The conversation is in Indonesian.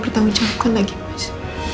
tertanggung jawab kan lagi mas